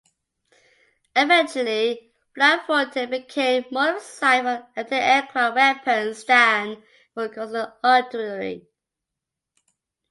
Eventually Flakfortet became more of a site for anti-aircraft weapons than for coastal artillery.